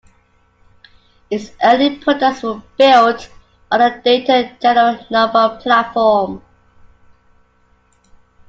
Its early products were built on a Data General Nova platform.